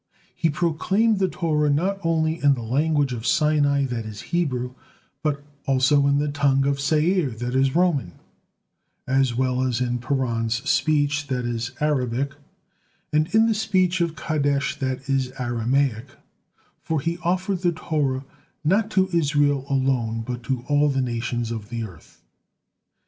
He proclaimed the Torah not only in the language of Sinai, that is Hebrew, but also in the tongue of Seir, that is Roman, as well as in Paran's speech, that is Arabic, and in the speech of Kadesh, that is Aramaic, for He offered the Torah not to Israel alone, but to all the nations of the earth.